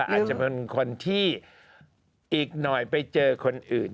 อาจจะเป็นคนที่อีกหน่อยไปเจอคนอื่น